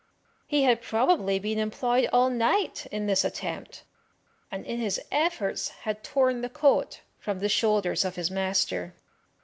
He had probably been employed all night in this attempt, and in his efforts had torn the coat from the shoulders of his master.